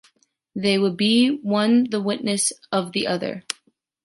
They would be one the witness of the other.